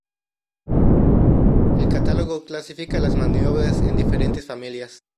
El catálogo clasifica las maniobras en diferentes familias.